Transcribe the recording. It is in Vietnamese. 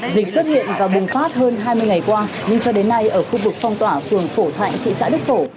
dịch xuất hiện và bùng phát hơn hai mươi ngày qua nhưng cho đến nay ở khu vực phong tỏa phường phổ thạnh thị xã đức phổ